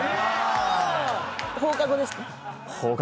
放課後ですか？